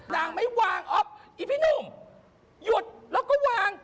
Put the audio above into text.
นางไม่วางอ๊อฟอีพี่หนุ่มหยุดแล้วก็วาง